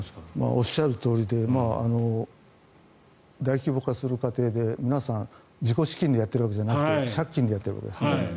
おっしゃるとおりで大規模化する過程で皆さん、自己資金でやっているわけじゃなくて借金でやっているわけですね。